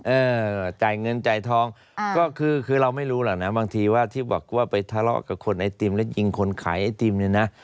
เออจ่ายเงินจ่ายทองก็คือคือเราไม่รู้หรอกนะบางทีว่าที่บอกว่าไปทะเลาะกับคนไอติมแล้วยิงคนขายไอติมเนี่ยนะ